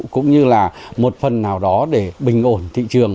cũng như là một phần nào đó để bình ổn thị trường